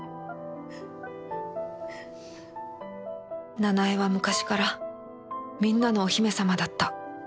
奈々江は昔からみんなのお姫様だった